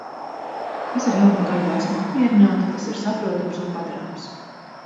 Es ar jauno darbu esmu apmierināta, tas ir saprotams un padarāms.